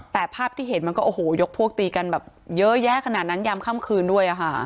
แต่ภาพที่เห็นมันก็โอ้โหยกพวกตีกันแบบเยอะแยะขนาดนั้นยามค่ำคืนด้วย